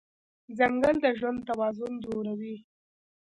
ځنګل د ژوند توازن جوړوي.